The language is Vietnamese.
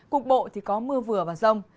cục bộ thì có mưa vừa và rông